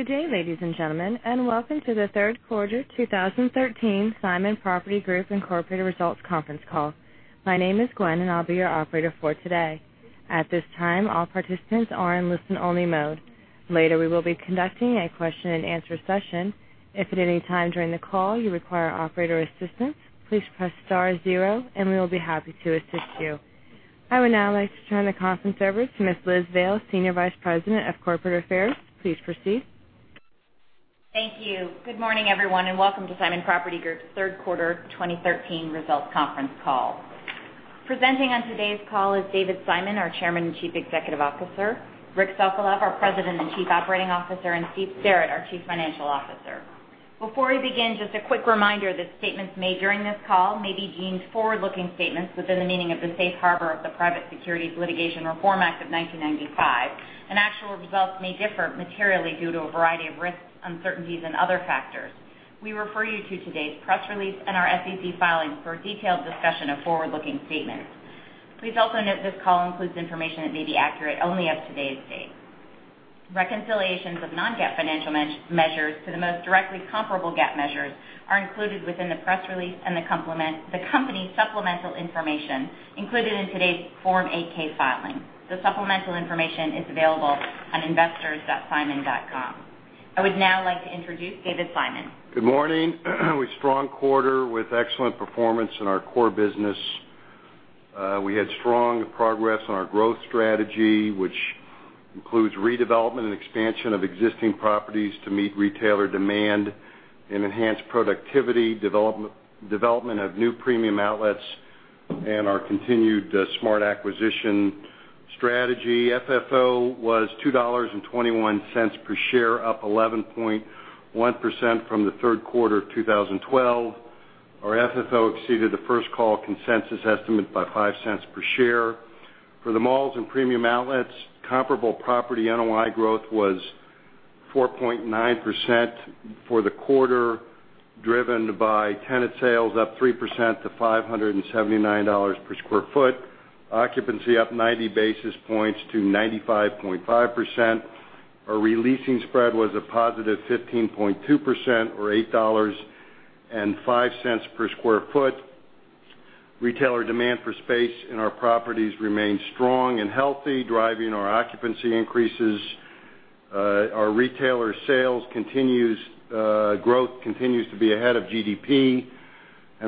Good day, ladies and gentlemen, and welcome to the third quarter 2013 Simon Property Group, Inc. results conference call. My name is Gwen, and I'll be your operator for today. At this time, all participants are in listen-only mode. Later, we will be conducting a question and answer session. If at any time during the call you require operator assistance, please press star zero, and we will be happy to assist you. I would now like to turn the conference over to Ms. Liz Zale, Senior Vice President of Corporate Affairs. Please proceed. Thank you. Good morning, everyone, and welcome to Simon Property Group's third quarter 2013 results conference call. Presenting on today's call is David Simon, our Chairman and Chief Executive Officer, Rick Sokolov, our President and Chief Operating Officer, and Steve Sterrett, our Chief Financial Officer. Before we begin, just a quick reminder that statements made during this call may be deemed forward-looking statements within the meaning of the Safe Harbor of the Private Securities Litigation Reform Act of 1995. Actual results may differ materially due to a variety of risks, uncertainties, and other factors. We refer you to today's press release and our SEC filings for a detailed discussion of forward-looking statements. Please also note this call includes information that may be accurate only as of today's date. Reconciliations of non-GAAP financial measures to the most directly comparable GAAP measures are included within the press release and the company's supplemental information included in today's Form 8-K filing. The supplemental information is available on investors.simon.com. I would now like to introduce David Simon. Good morning. A strong quarter with excellent performance in our core business. We had strong progress on our growth strategy, which includes redevelopment and expansion of existing properties to meet retailer demand and enhance productivity, development of new premium outlets, and our continued smart acquisition strategy. FFO was $2.21 per share, up 11.1% from the third quarter of 2012. Our FFO exceeded the First Call consensus estimate by $0.05 per share. For the malls and premium outlets, comparable property NOI growth was 4.9% for the quarter, driven by tenant sales up 3% to $579 per square foot, occupancy up 90 basis points to 95.5%. Our re-leasing spread was a positive 15.2%, or $8.05 per square foot. Retailer demand for space in our properties remained strong and healthy, driving our occupancy increases. Our retailer sales growth continues to be ahead of GDP.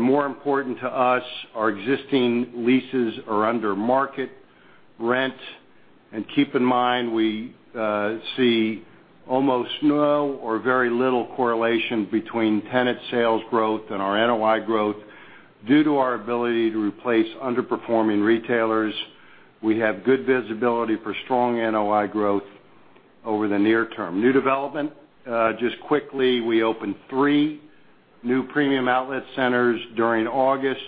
More important to us, our existing leases are under market rent. Keep in mind, we see almost no or very little correlation between tenant sales growth and our NOI growth due to our ability to replace underperforming retailers. We have good visibility for strong NOI growth over the near term. New development, just quickly, we opened three new premium outlet centers during August,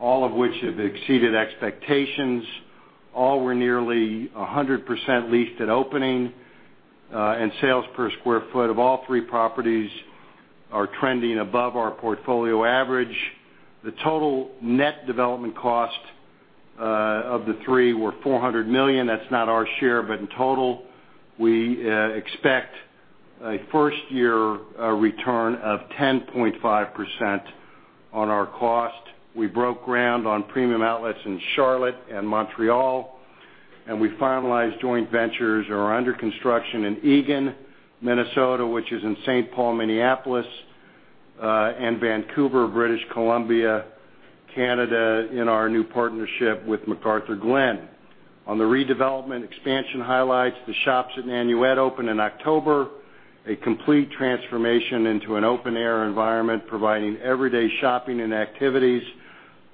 all of which have exceeded expectations. All were nearly 100% leased at opening, and sales per square foot of all three properties are trending above our portfolio average. The total net development cost of the three were $400 million. That's not our share, but in total, we expect a first-year return of 10.5% on our cost. We broke ground on premium outlets in Charlotte and Montreal. We finalized joint ventures that are under construction in Eagan, Minnesota, which is in St. Paul, Minneapolis, and Vancouver, British Columbia, Canada, in our new partnership with McArthurGlen. On the redevelopment expansion highlights, The Shops at Nanuet opened in October, a complete transformation into an open-air environment providing everyday shopping and activities,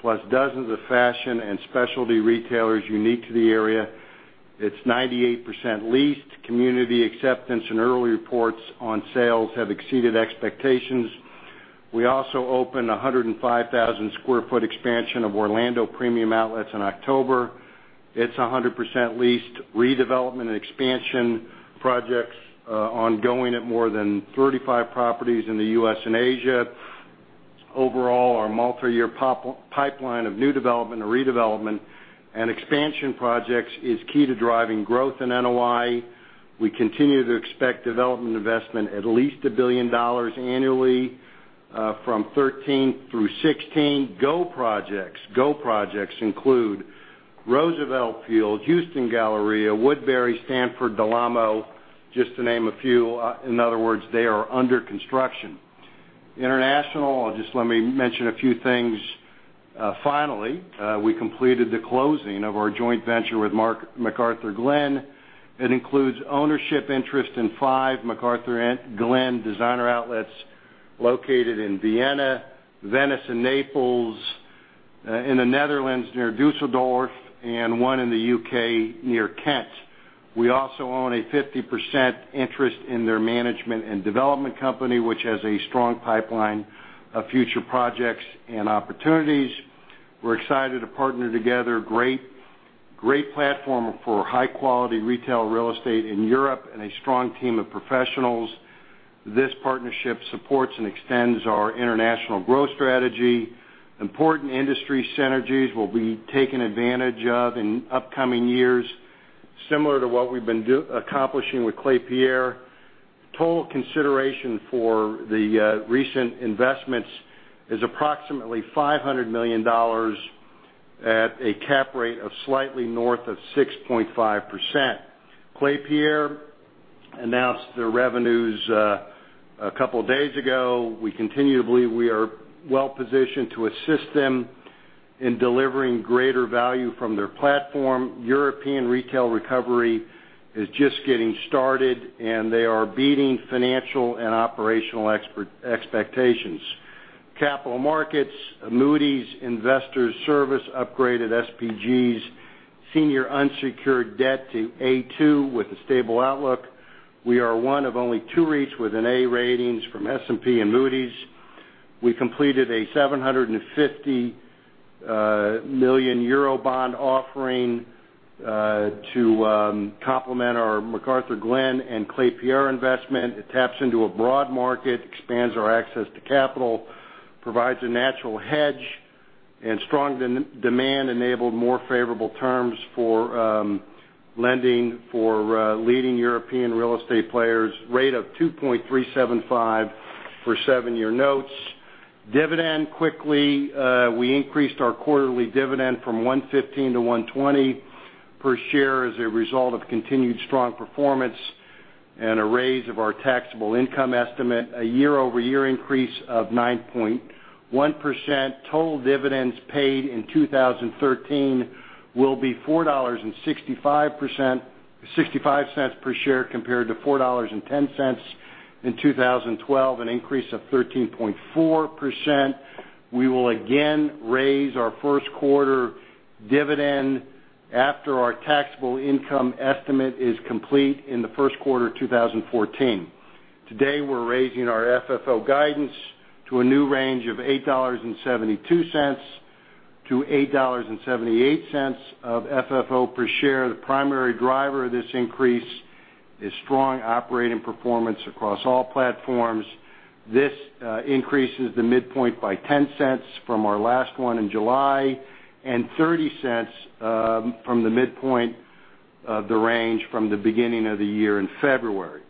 plus dozens of fashion and specialty retailers unique to the area. It's 98% leased. Community acceptance and early reports on sales have exceeded expectations. We also opened 105,000 sq ft expansion of Orlando Premium Outlets in October. It's 100% leased. Redevelopment and expansion projects ongoing at more than 35 properties in the U.S. and Asia. Overall, our multi-year pipeline of new development or redevelopment and expansion projects is key to driving growth in NOI. We continue to expect development investment at least $1 billion annually from 2013 through 2016. Go projects include Roosevelt Field, Houston Galleria, Woodbury, Stamford, Del Amo, just to name a few. In other words, they are under construction. International, just let me mention a few things. Finally, we completed the closing of our joint venture with McArthurGlen. It includes ownership interest in five McArthurGlen designer outlets located in Vienna, Venice, and Naples, in the Netherlands near Düsseldorf, and one in the U.K. near Kent. We also own a 50% interest in their management and development company, which has a strong pipeline of future projects and opportunities. We're excited to partner together. Great platform for high-quality retail real estate in Europe and a strong team of professionals. This partnership supports and extends our international growth strategy. Important industry synergies will be taken advantage of in upcoming years, similar to what we've been accomplishing with Klépierre. Total consideration for the recent investments is approximately $500 million at a cap rate of slightly north of 6.5%. Klépierre announced their revenues a couple of days ago. We continue to believe we are well-positioned to assist them in delivering greater value from their platform. European retail recovery is just getting started, and they are beating financial and operational expectations. Capital markets. Moody's Investors Service upgraded SPG's senior unsecured debt to A2 with a stable outlook. We are one of only two REITs with an A ratings from S&P and Moody's. We completed a 750 million euro bond offering to complement our McArthurGlen and Klépierre investment. It taps into a broad market, expands our access to capital, provides a natural hedge. Strong demand enabled more favorable terms for lending for leading European real estate players. Rate of 2.375% for seven-year notes. Quickly, we increased our quarterly dividend from $1.15 to $1.20 per share as a result of continued strong performance and a raise of our taxable income estimate, a year-over-year increase of 9.1%. Total dividends paid in 2013 will be $4.65 per share compared to $4.10 in 2012, an increase of 13.4%. We will again raise our first quarter dividend after our taxable income estimate is complete in the first quarter 2014. Today, we're raising our FFO guidance to a new range of $8.72 to $8.78 of FFO per share. The primary driver of this increase is strong operating performance across all platforms. This increases the midpoint by $0.10 from our last one in July and $0.30 from the midpoint of the range from the beginning of the year in February.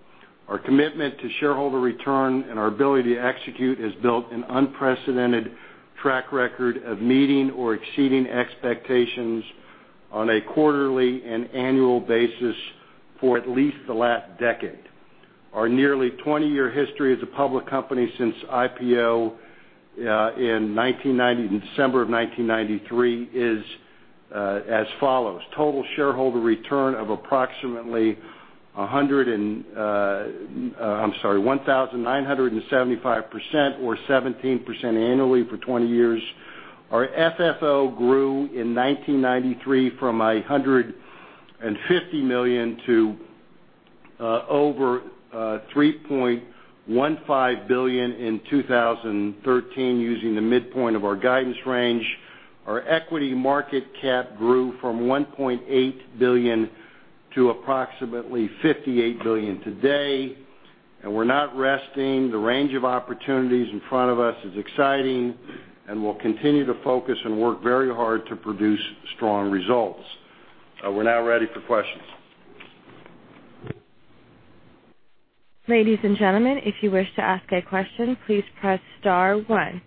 Our commitment to shareholder return and our ability to execute has built an unprecedented track record of meeting or exceeding expectations on a quarterly and annual basis for at least the last decade. Our nearly 20-year history as a public company since IPO in December of 1993 is as follows. Total shareholder return of approximately 1,975% or 17% annually for 20 years. Our FFO grew in 1993 from $150 million to over $3.15 billion in 2013 using the midpoint of our guidance range. Our equity market cap grew from $1.8 billion to approximately $58 billion today. We're not resting. The range of opportunities in front of us is exciting. We'll continue to focus and work very hard to produce strong results. We're now ready for questions. Ladies and gentlemen, if you wish to ask a question, please press star one.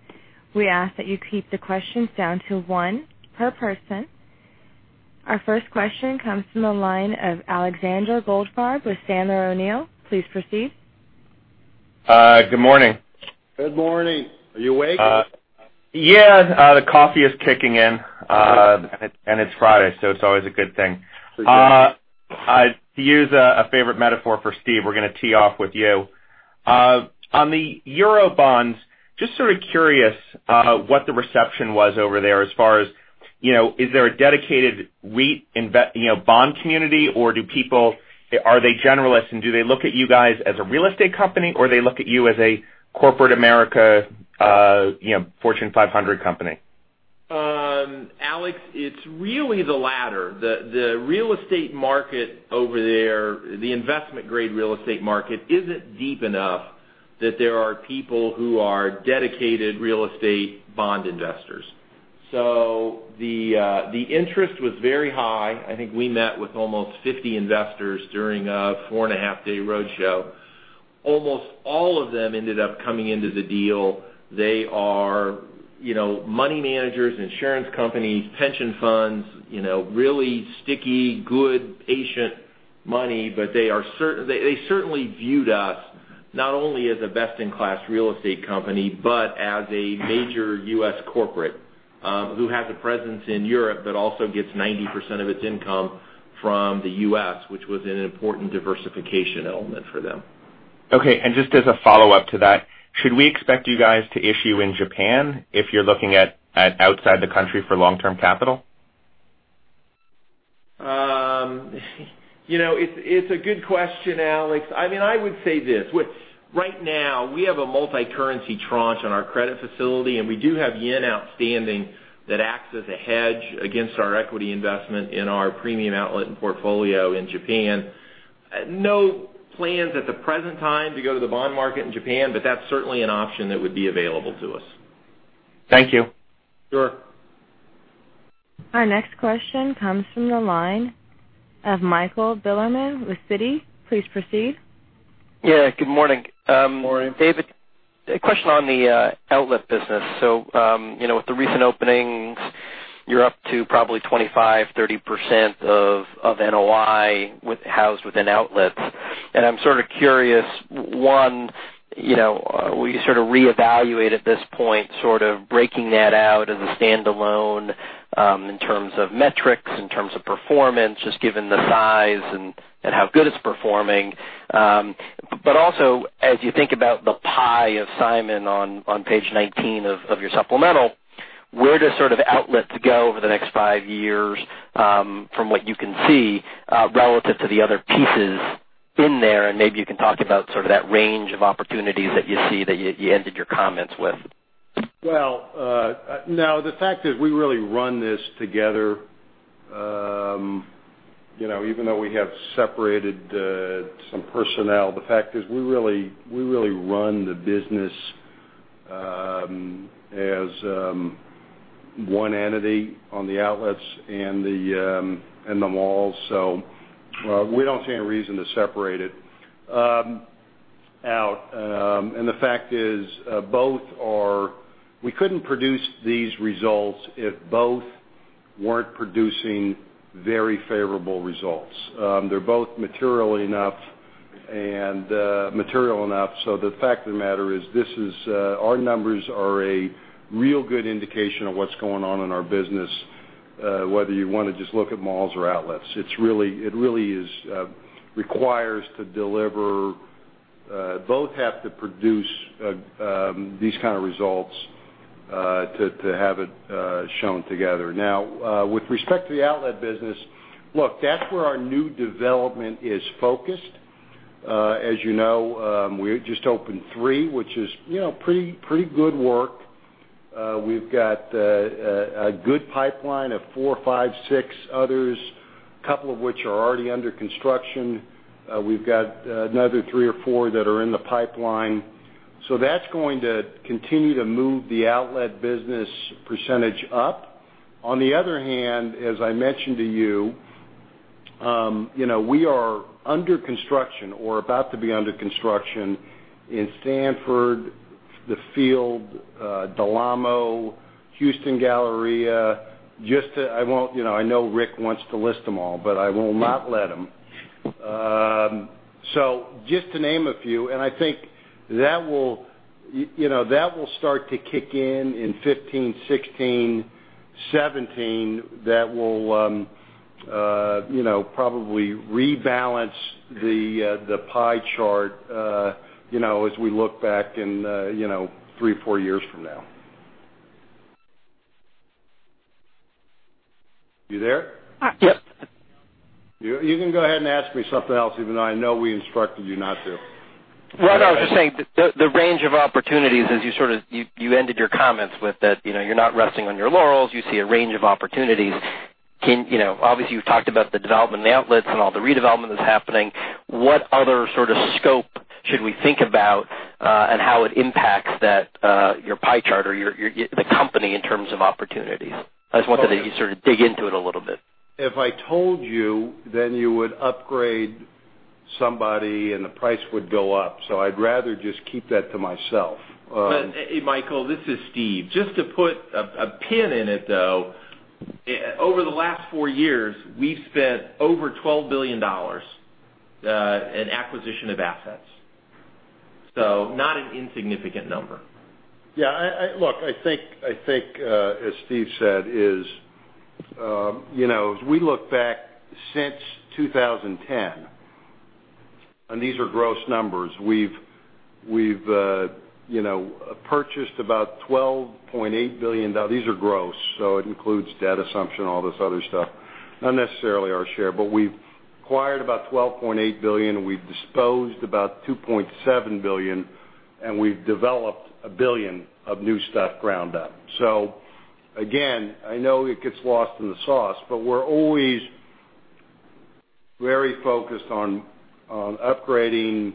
We ask that you keep the questions down to one per person. Our first question comes from the line of Alexander Goldfarb with Sandler O'Neill. Please proceed. Good morning. Good morning. Are you awake? Yeah, the coffee is kicking in. It's Friday, so it's always a good thing. Please do. To use a favorite metaphor for Steve, we're going to tee off with you. On the euro bonds, just sort of curious what the reception was over there as far as, is there a dedicated REIT bond community, or are they generalists, and do they look at you guys as a real estate company, or they look at you as a corporate America Fortune 500 company? Alex, it's really the latter. The real estate market over there, the investment-grade real estate market, isn't deep enough that there are people who are dedicated real estate bond investors. The interest was very high. I think we met with almost 50 investors during a four-and-a-half-day road show. Almost all of them ended up coming into the deal. They are money managers, insurance companies, pension funds, really sticky, good, patient money. They certainly viewed us not only as a best-in-class real estate company but as a major U.S. corporate who has a presence in Europe but also gets 90% of its income from the U.S., which was an important diversification element for them. Okay, just as a follow-up to that, should we expect you guys to issue in Japan if you're looking at outside the country for long-term capital? It's a good question, Alex. I would say this. Right now, we have a multi-currency tranche on our credit facility, we do have yen outstanding that acts as a hedge against our equity investment in our premium outlet and portfolio in Japan. No plans at the present time to go to the bond market in Japan, that's certainly an option that would be available to us. Thank you. Sure. Our next question comes from the line of Michael Bilerman with Citi. Please proceed. Yeah, good morning. Good morning. David, a question on the outlet business. With the recent openings, you're up to probably 25%-30% of NOI housed within outlets. I'm sort of curious, one, will you sort of reevaluate at this point, sort of breaking that out as a standalone, in terms of metrics, in terms of performance, just given the size and how good it's performing? Also, as you think about the pie assignment on page 19 of your supplemental, where does sort of outlets go over the next five years, from what you can see, relative to the other pieces in there? Maybe you can talk about sort of that range of opportunities that you see that you ended your comments with. No. The fact is, we really run this together. Even though we have separated some personnel, the fact is we really run the business as one entity on the outlets and the malls. We don't see any reason to separate it out. The fact is, we couldn't produce these results if both weren't producing very favorable results. They're both material enough, the fact of the matter is, our numbers are a real good indication of what's going on in our business, whether you want to just look at malls or outlets. It really requires both to produce these kind of results, to have it shown together. With respect to the outlet business, look, that's where our new development is focused. As you know, we just opened three, which is pretty good work. We've got a good pipeline of four, five, six others, couple of which are already under construction. We've got another three or four that are in the pipeline. That's going to continue to move the outlet business percentage up. On the other hand, as I mentioned to you, we are under construction or about to be under construction in Stamford, the Field, Del Amo, The Galleria. I know Rick wants to list them all, I will not let him. Just to name a few, I think that will start to kick in in 2015, 2016, 2017. That will probably rebalance the pie chart, as we look back in three, four years from now. You there? Yes. You can go ahead and ask me something else, even though I know we instructed you not to. Right. I was just saying, the range of opportunities as you ended your comments with that you're not resting on your laurels, you see a range of opportunities. Obviously, you've talked about the development in the outlets and all the redevelopment that's happening. What other sort of scope should we think about, and how it impacts your pie chart or the company in terms of opportunities? I just wanted to sort of dig into it a little bit. If I told you, then you would upgrade somebody, and the price would go up. I'd rather just keep that to myself. Hey, Michael, this is Steve. Just to put a pin in it, though, over the last four years, we've spent over $12 billion in acquisition of assets, so not an insignificant number. Yeah. Look, I think as Steve said is, as we look back since 2010, and these are gross numbers, we've purchased about $12.8 billion. These are gross, so it includes debt assumption, all this other stuff, not necessarily our share. We've acquired about $12.8 billion, we've disposed about $2.7 billion, and we've developed $1 billion of new stuff ground up. Again, I know it gets lost in the sauce, but we're always very focused on upgrading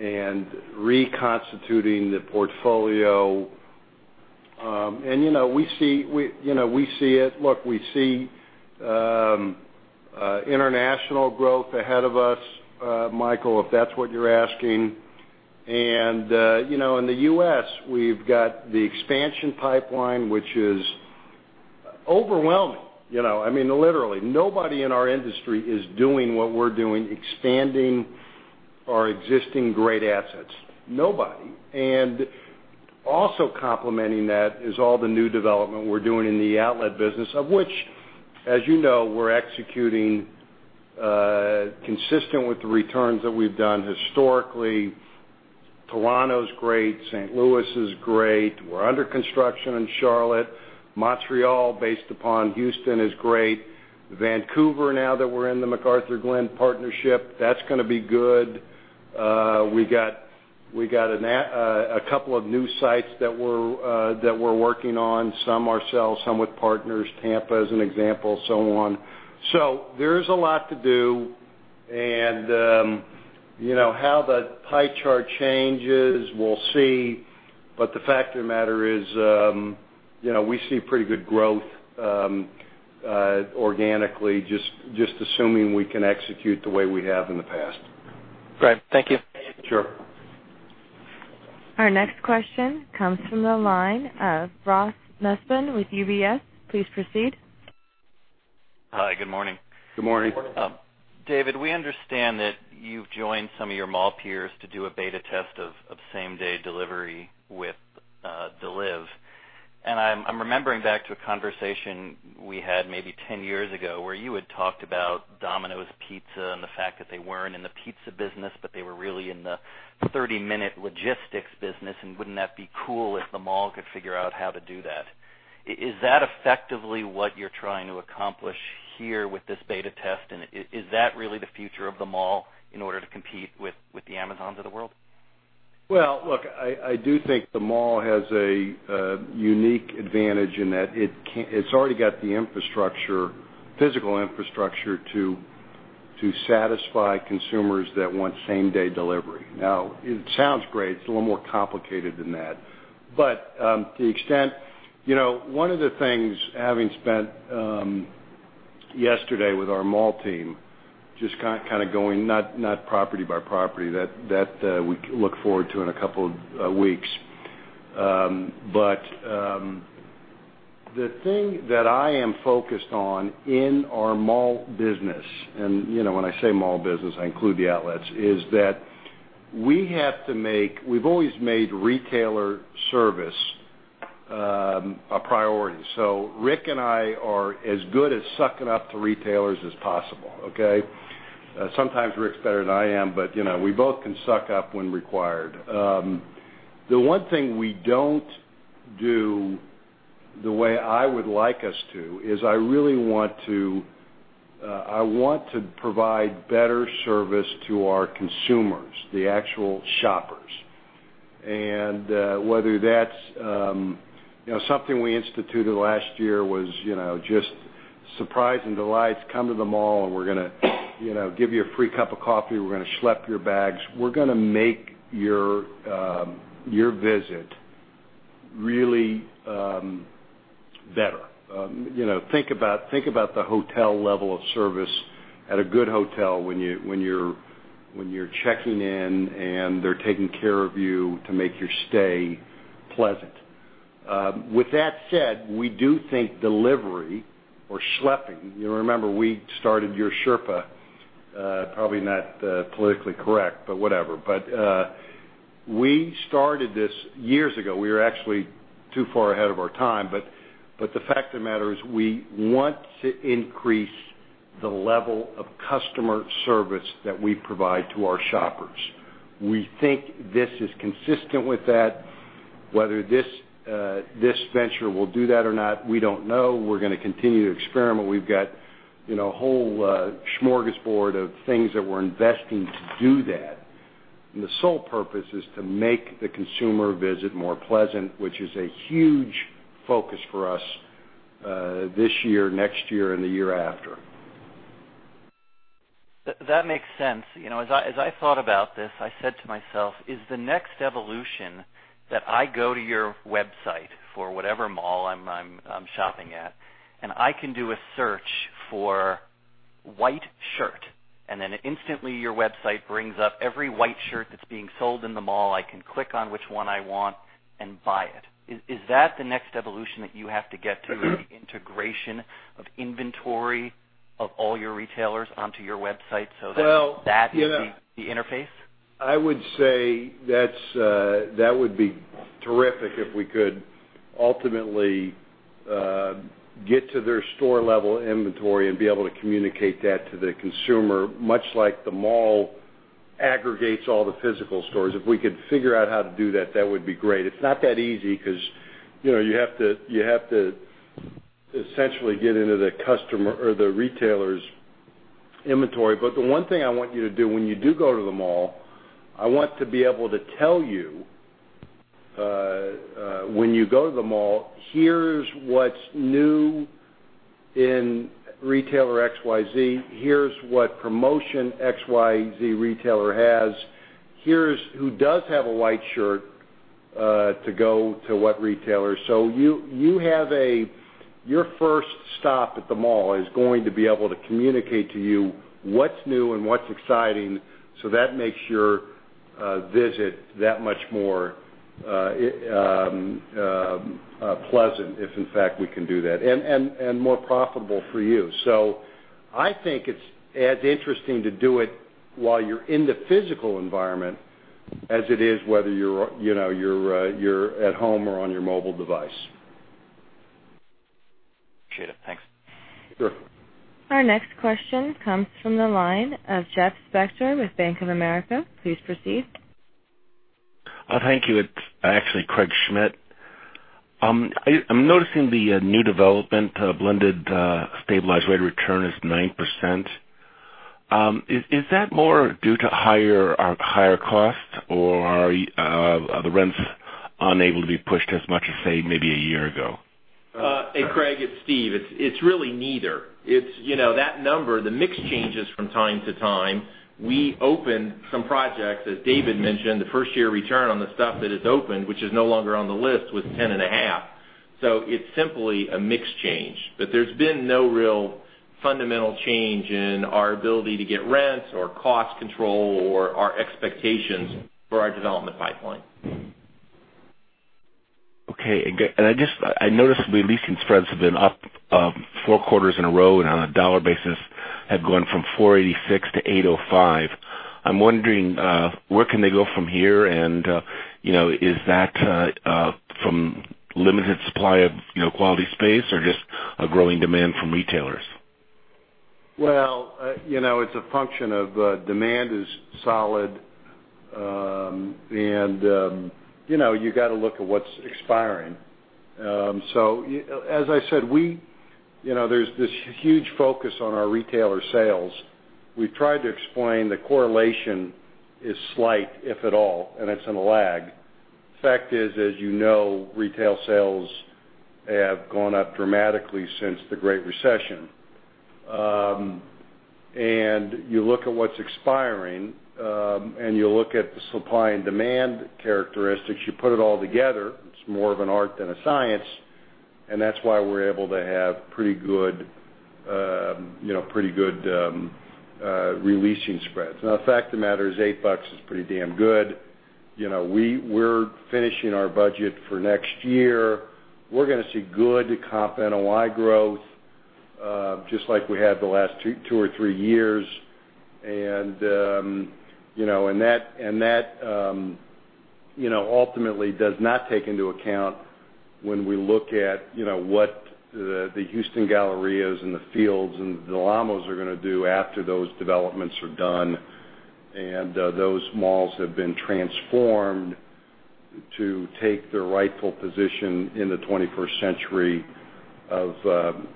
and reconstituting the portfolio. We see it. Look, we see international growth ahead of us, Michael, if that's what you're asking. In the U.S., we've got the expansion pipeline, which is overwhelming. I mean, literally, nobody in our industry is doing what we're doing, expanding our existing great assets. Nobody. Also complementing that is all the new development we're doing in the outlet business, of which, as you know, we're executing, consistent with the returns that we've done historically. Toronto's great. St. Louis is great. We're under construction in Charlotte. Montreal, based upon Houston, is great. Vancouver, now that we're in the McArthurGlen partnership, that's going to be good. We got a couple of new sites that we're working on, some ourselves, some with partners, Tampa as an example, so on. There is a lot to do. How the pie chart changes, we'll see. The fact of the matter is we see pretty good growth organically, just assuming we can execute the way we have in the past. Great. Thank you. Sure. Our next question comes from the line of Ross Nussbaum with UBS. Please proceed. Hi, good morning. Good morning. David, we understand that you've joined some of your mall peers to do a beta test of same-day delivery with Deliv. I'm remembering back to a conversation we had maybe 10 years ago where you had talked about Domino's Pizza and the fact that they weren't in the pizza business, but they were really in the 30-minute logistics business, wouldn't that be cool if the mall could figure out how to do that. Is that effectively what you're trying to accomplish here with this beta test, is that really the future of the mall in order to compete with the Amazons of the world? Well, look, I do think the mall has a unique advantage in that it's already got the physical infrastructure to satisfy consumers that want same-day delivery. It sounds great. It's a little more complicated than that. One of the things, having spent yesterday with our mall team, just kind of going, not property by property, that we look forward to in a couple of weeks. The thing that I am focused on in our mall business, when I say mall business, I include the outlets, is that we've always made retailer service a priority. Rick and I are as good at sucking up to retailers as possible, okay? Sometimes Rick's better than I am, we both can suck up when required. The one thing we don't do the way I would like us to is I really want to provide better service to our consumers, the actual shoppers. Something we instituted last year was just surprise and delight. Come to the mall, we're going to give you a free cup of coffee. We're going to schlep your bags. We're going to make your visit really better. Think about the hotel level of service at a good hotel when you're checking in and they're taking care of you to make your stay pleasant. With that said, we do think delivery or schlepping, you remember we started YourSherpa, probably not politically correct, whatever. We started this years ago. We were actually too far ahead of our time. The fact of the matter is we want to increase the level of customer service that we provide to our shoppers. We think this is consistent with that. Whether this venture will do that or not, we don't know. We're going to continue to experiment. We've got a whole smorgasbord of things that we're investing to do that, and the sole purpose is to make the consumer visit more pleasant, which is a huge focus for us this year, next year, and the year after. That makes sense. As I thought about this, I said to myself, is the next evolution that I go to your website for whatever mall I'm shopping at, and I can do a search for white shirt, and then instantly your website brings up every white shirt that's being sold in the mall. I can click on which one I want and buy it. Is that the next evolution that you have to get to, the integration of inventory of all your retailers onto your website? Well, yeah that is the interface? I would say that would be terrific if we could ultimately get to their store-level inventory and be able to communicate that to the consumer, much like the mall aggregates all the physical stores. If we could figure out how to do that would be great. It's not that easy because you have to essentially get into the retailer's inventory. The one thing I want you to do when you do go to the mall, I want to be able to tell you when you go to the mall, here's what's new in retailer XYZ. Here's what promotion XYZ retailer has. Here's who does have a white shirt to go to what retailer. Your first stop at the mall is going to be able to communicate to you what's new and what's exciting, that makes your visit that much more pleasant if, in fact, we can do that, and more profitable for you. I think it's as interesting to do it while you're in the physical environment as it is whether you're at home or on your mobile device. Appreciate it. Thanks. Sure. Our next question comes from the line of Jeffrey Spector with Bank of America. Please proceed. Thank you. It's actually Craig Schmidt. I'm noticing the new development blended, stabilized rate of return is 9%. Is that more due to higher costs, or are the rents unable to be pushed as much as, say, maybe a year ago? Hey, Craig, it's Steve. It's really neither. That number, the mix changes from time to time. We opened some projects, as David mentioned, the first-year return on the stuff that is opened, which is no longer on the list, was 10 and a half. It's simply a mix change. There's been no real fundamental change in our ability to get rents or cost control or our expectations for our development pipeline. Okay. I noticed the leasing spreads have been up four quarters in a row and on a dollar basis have gone from $486 to $805. I'm wondering, where can they go from here? Is that from limited supply of quality space or just a growing demand from retailers? Well, it's a function of demand is solid. You got to look at what's expiring. As I said, there's this huge focus on our retailer sales. We've tried to explain the correlation is slight, if at all, and it's in a lag. Fact is, as you know, retail sales have gone up dramatically since the Great Recession. You look at what's expiring, and you look at the supply and demand characteristics, you put it all together, it's more of an art than a science, and that's why we're able to have pretty good releasing spreads. Now, the fact of the matter is eight bucks is pretty damn good. We're finishing our budget for next year. We're going to see good comp NOI growth, just like we had the last two or three years. That ultimately does not take into account when we look at what the Houston Galleria and the Field and the Del Amo are going to do after those developments are done, and those malls have been transformed to take their rightful position in the 21st century of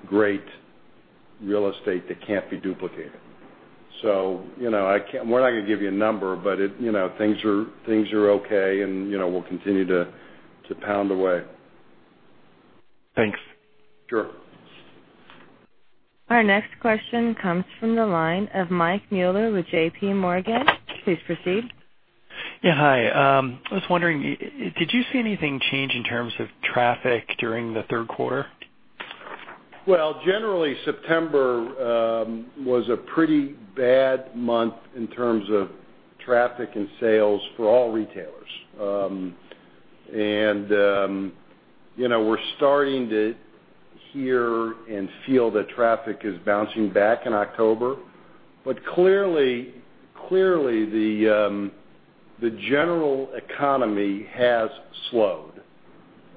great real estate that can't be duplicated. We're not going to give you a number, but things are okay, and we'll continue to pound away. Thanks. Sure. Our next question comes from the line of Mike Mueller with JPMorgan. Please proceed. Yeah. Hi. I was wondering, did you see anything change in terms of traffic during the third quarter? Generally, September was a pretty bad month in terms of traffic and sales for all retailers. We're starting to hear and feel that traffic is bouncing back in October. Clearly, the general economy has slowed.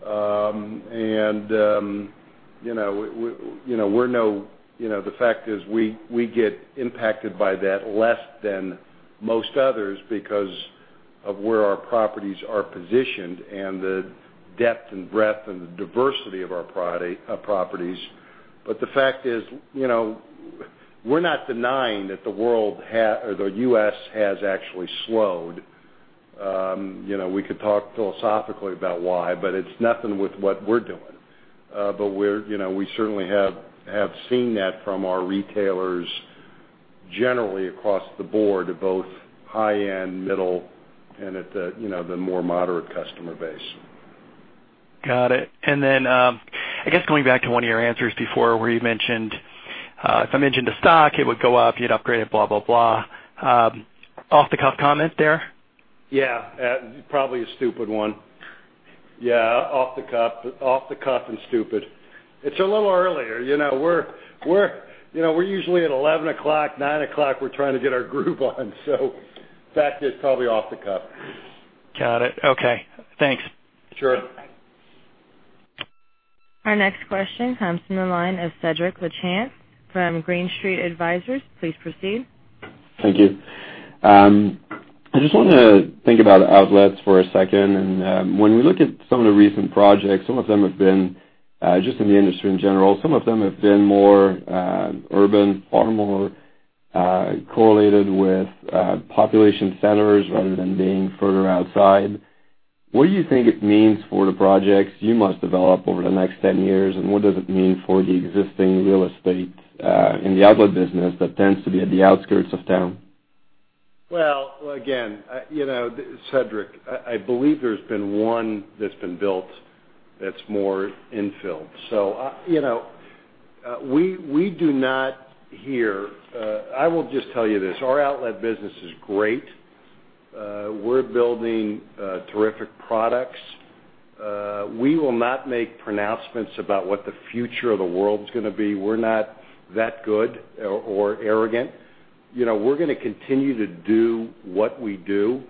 The fact is we get impacted by that less than most others because of where our properties are positioned and the depth and breadth and the diversity of our properties. The fact is, we're not denying that the U.S. has actually slowed. We could talk philosophically about why, but it's nothing with what we're doing. We certainly have seen that from our retailers generally across the board at both high-end, middle, and at the more moderate customer base. Got it. I guess going back to one of your answers before where you mentioned, if I mentioned a stock, it would go up, you'd upgrade it, blah blah blah. Off-the-cuff comment there? Yeah. Probably a stupid one. Yeah, off the cuff and stupid. It's a little earlier. We're usually at 11 o'clock, nine o'clock, we're trying to get our group on. That is probably off the cuff. Got it. Okay. Thanks. Sure. Our next question comes from the line of Cedrik Lachance from Green Street Advisors. Please proceed. Thank you. I just want to think about outlets for a second. When we look at some of the recent projects, some of them have been just in the industry in general. Some of them have been more urban, far more correlated with population centers rather than being further outside. What do you think it means for the projects you must develop over the next 10 years, and what does it mean for the existing real estate in the outlet business that tends to be at the outskirts of town? Well, again, Cedrik, I believe there's been one that's been built that's more in-filled. I will just tell you this, our outlet business is great. We're building terrific products. We will not make pronouncements about what the future of the world's going to be. We're not that good or arrogant. We're going to continue to do what we do.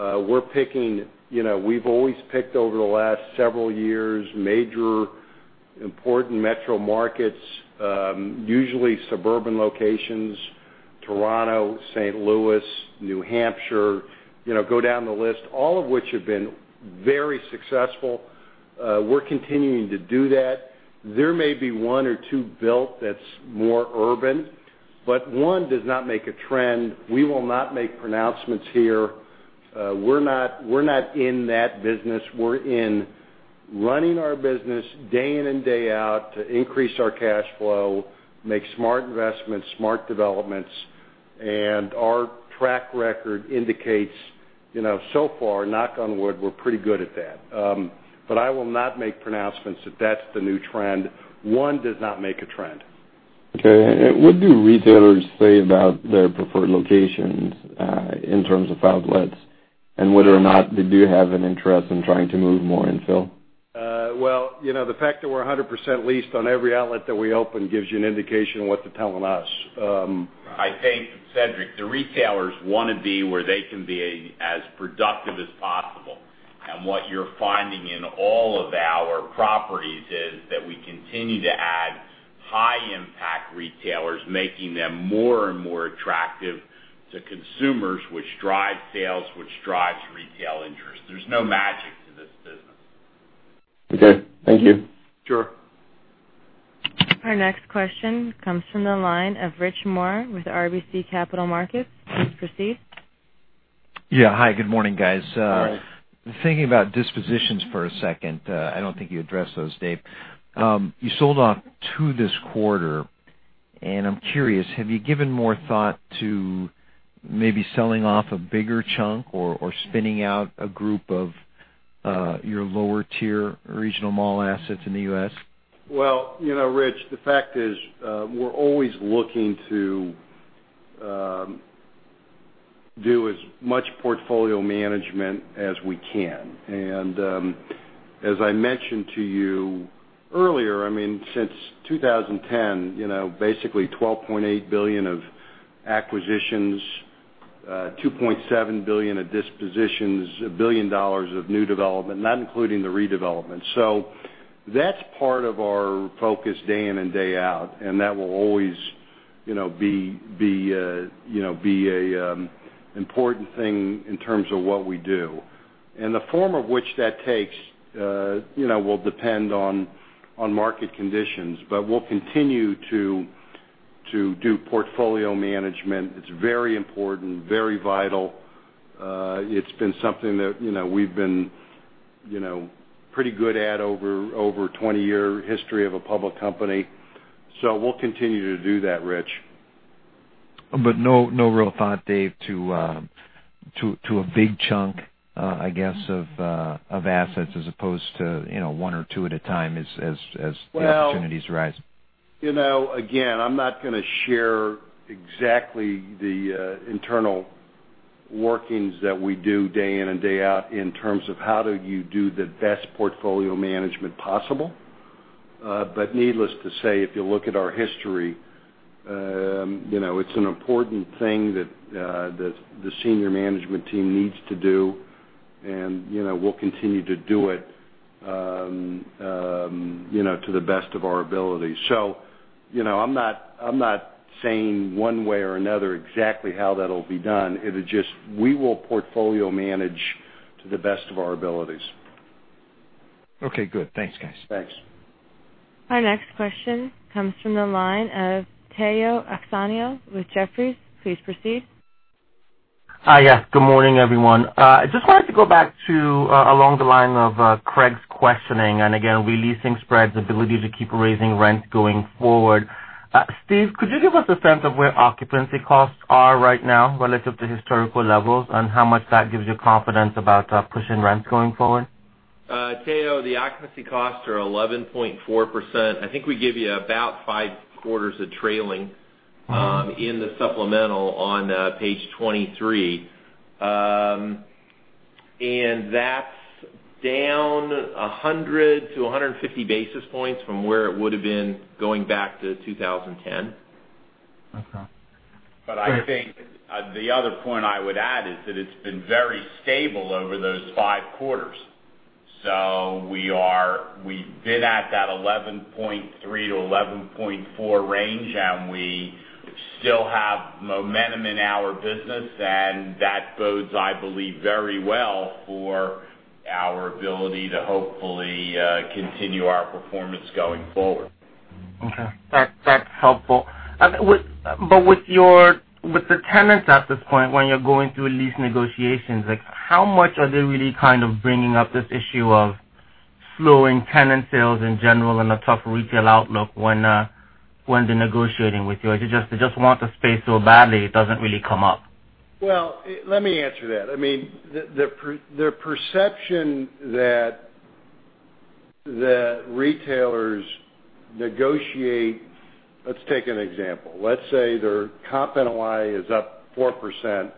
We've always picked over the last several years, major important metro markets, usually suburban locations, Toronto, St. Louis, New Hampshire, go down the list, all of which have been very successful. We're continuing to do that. There may be one or two built that's more urban, but one does not make a trend. We will not make pronouncements here. We're not in that business. We're in running our business day in and day out to increase our cash flow, make smart investments, smart developments, and our track record indicates, so far, knock on wood, we're pretty good at that. I will not make pronouncements that that's the new trend. One does not make a trend. Okay. What do retailers say about their preferred locations, in terms of outlets? Whether or not they do have an interest in trying to move more infill? Well, the fact that we're 100% leased on every outlet that we open gives you an indication of what they're telling us. I think, Cedrik, the retailers wanna be where they can be as productive as possible. What you're finding in all of our properties is that we continue to add high impact retailers, making them more and more attractive to consumers, which drives sales, which drives retail interest. There's no magic to this business. Okay. Thank you. Sure. Our next question comes from the line of Richard Moore with RBC Capital Markets. Please proceed. Hi, good morning, guys. Good morning. Thinking about dispositions for a second. I don't think you addressed those, Dave. You sold off two this quarter, and I'm curious, have you given more thought to maybe selling off a bigger chunk or spinning out a group of your lower tier regional mall assets in the U.S.? Rich, the fact is, we're always looking to do as much portfolio management as we can. As I mentioned to you earlier, since 2010, basically $12.8 billion of acquisitions, $2.7 billion of dispositions, $1 billion of new development, not including the redevelopment. That's part of our focus day in and day out, and that will always be a important thing in terms of what we do. The form of which that takes will depend on market conditions. We'll continue to do portfolio management. It's very important, very vital. It's been something that we've been pretty good at over 20-year history of a public company. We'll continue to do that, Rich. No real thought, Dave, to a big chunk, I guess, of assets as opposed to one or two at a time. Well- opportunities rise. Again, I'm not gonna share exactly the internal workings that we do day in and day out in terms of how do you do the best portfolio management possible. Needless to say, if you look at our history, it's an important thing that the senior management team needs to do, and we'll continue to do it to the best of our ability. I'm not saying one way or another exactly how that'll be done. It is just, we will portfolio manage to the best of our abilities. Okay, good. Thanks, guys. Thanks. Our next question comes from the line of Omotayo Okusanya with Jefferies. Please proceed. Hi. Yes. Good morning, everyone. Just wanted to go back to along the line of Craig's questioning, and again, re-leasing spreads, ability to keep raising rents going forward. Steve, could you give us a sense of where occupancy costs are right now relative to historical levels, and how much that gives you confidence about pushing rents going forward? Tayo, the occupancy costs are 11.4%. I think we give you about five quarters of trailing- in the supplemental on page 23. That's down 100 to 150 basis points from where it would've been going back to 2010. Okay. I think the other point I would add is that it's been very stable over those five quarters. We've been at that 11.3 to 11.4 range, and we still have momentum in our business, and that bodes, I believe, very well for our ability to hopefully continue our performance going forward. Okay. That's helpful. With the tenants at this point, when you're going through lease negotiations, like how much are they really kind of bringing up this issue of slowing tenant sales in general and a tougher retail outlook when they're negotiating with you? They just want the space so badly it doesn't really come up. Well, let me answer that. I mean, the perception that retailers negotiate Let's take an example. Let's say their comp NOI is up 4%,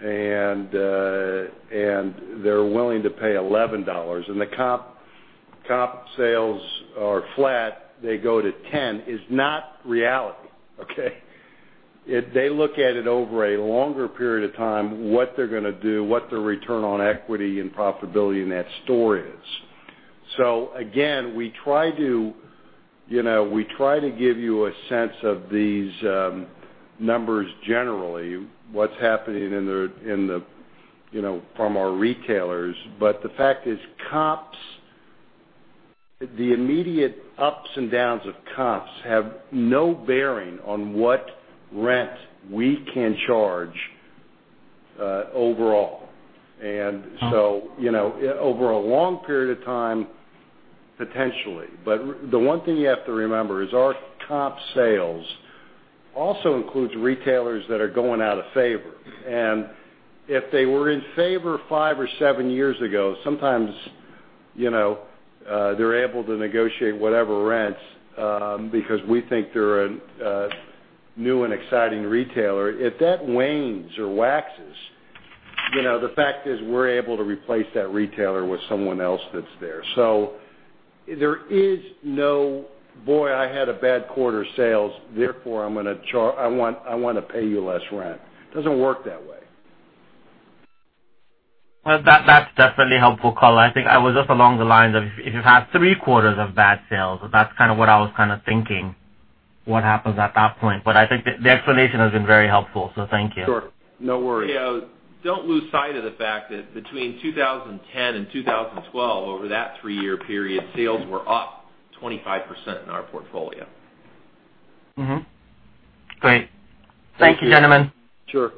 and they're willing to pay $11, and the comp sales are flat, they go to $10, is not reality. Okay. They look at it over a longer period of time, what they're gonna do, what their return on equity and profitability in that store is. Again, we try to give you a sense of these numbers generally, what's happening from our retailers. The fact is comps The immediate ups and downs of comps have no bearing on what rent we can charge overall. Over a long period of time, potentially. The one thing you have to remember is our comp sales also includes retailers that are going out of favor. If they were in favor five or seven years ago, sometimes, they're able to negotiate whatever rents, because we think they're a new and exciting retailer. If that wanes or waxes, the fact is we're able to replace that retailer with someone else that's there. There is no, "Boy, I had a bad quarter sales. Therefore, I want to pay you less rent." It doesn't work that way. That's definitely helpful color. I think I was just along the lines of, if you've had three quarters of bad sales, that's kind of what I was kind of thinking, what happens at that point. I think the explanation has been very helpful, so thank you. Sure. No worries. Don't lose sight of the fact that between 2010 and 2012, over that three-year period, sales were up 25% in our portfolio. Great. Thank you, gentlemen. Sure.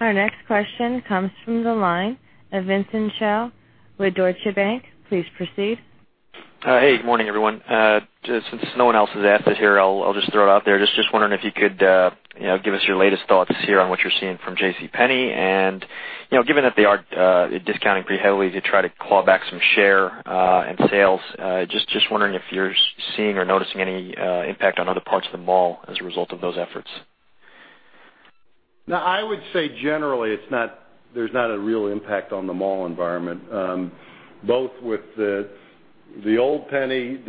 Our next question comes from the line of Vincent Chao with Deutsche Bank. Please proceed. Hey, good morning, everyone. Since no one else has asked this here, I'll just throw it out there. Just wondering if you could give us your latest thoughts here on what you're seeing from JCPenney and, given that they are discounting pretty heavily to try to claw back some share, and sales, just wondering if you're seeing or noticing any impact on other parts of the mall as a result of those efforts? I would say generally, there's not a real impact on the mall environment, both with the old Penney,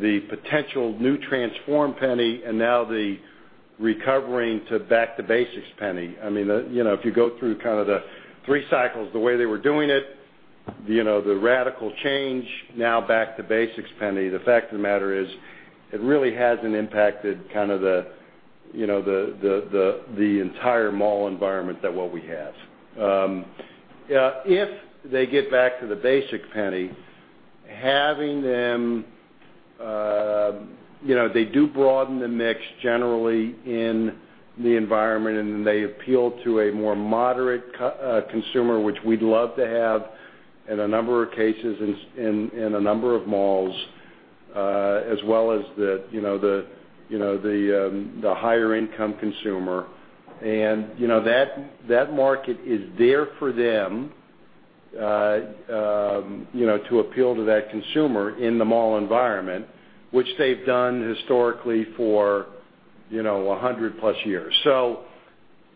the potential new transformed Penney, and now the recovering to back-to-basics Penney. If you go through kind of the three cycles, the way they were doing it, the radical change, now back-to-basics Penney, the fact of the matter is, it really hasn't impacted kind of the entire mall environment that well we have. If they get back to the basics Penney, having them, they do broaden the mix generally in the environment, and they appeal to a more moderate consumer, which we'd love to have in a number of cases, in a number of malls, as well as the higher income consumer. That market is there for them, to appeal to that consumer in the mall environment, which they've done historically for 100 plus years,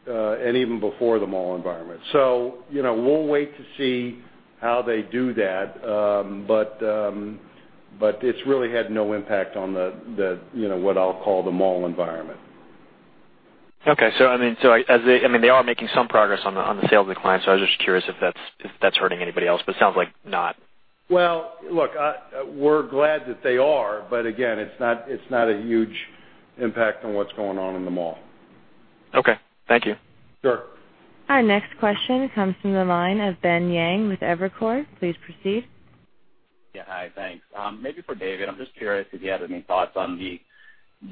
and even before the mall environment. We'll wait to see how they do that. It's really had no impact on the, what I'll call the mall environment. Okay. They are making some progress on the sales of J.C. Penney, so I was just curious if that's hurting anybody else, but it sounds like not. Well, look, we're glad that they are, but again, it's not a huge impact on what's going on in the mall. Okay. Thank you. Sure. Our next question comes from the line of Ben Yang with Evercore. Please proceed. Yeah. Hi, thanks. Maybe for David, I'm just curious if you had any thoughts on the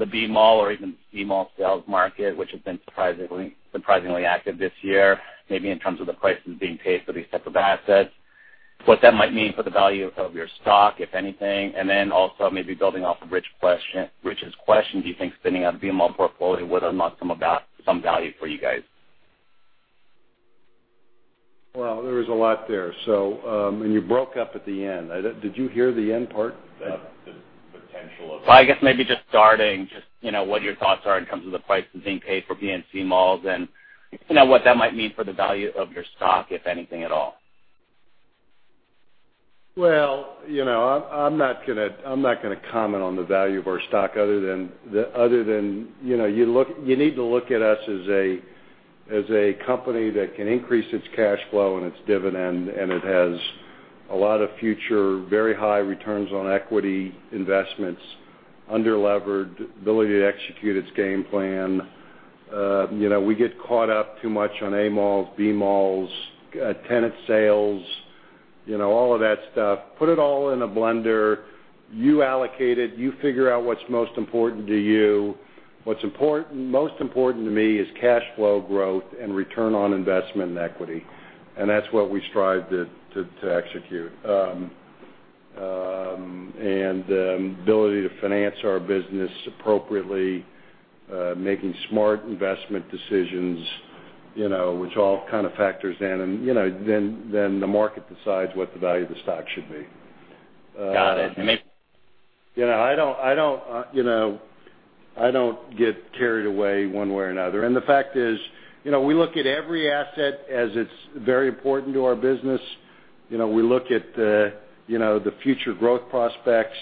B mall or even C mall sales market, which has been surprisingly active this year, maybe in terms of the prices being paid for these types of assets, what that might mean for the value of your stock, if anything? Then also maybe building off of Rich's question, do you think spinning out a B mall portfolio whether or not some value for you guys? Well, there was a lot there. You broke up at the end. Did you hear the end part? The potential of I guess maybe just starting, what your thoughts are in terms of the pricing being paid for B and C malls, what that might mean for the value of your stock, if anything at all? Well, I'm not gonna comment on the value of our stock other than you need to look at us as a company that can increase its cash flow and its dividend, and it has a lot of future very high returns on equity investments, under-levered ability to execute its game plan. We get caught up too much on A malls, B malls, tenant sales, all of that stuff. Put it all in a blender. You allocate it. You figure out what's most important to you. What's most important to me is cash flow growth and return on investment and equity. That's what we strive to execute. The ability to finance our business appropriately, making smart investment decisions, which all kind of factors in. Then the market decides what the value of the stock should be. Got it. I don't get carried away one way or another. The fact is, we look at every asset as it's very important to our business. We look at the future growth prospects.